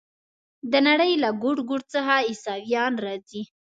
د نړۍ له ګوټ ګوټ څخه عیسویان راځي.